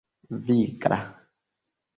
vigla